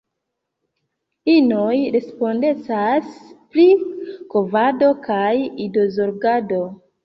Inoj respondecas pri kovado kaj idozorgado.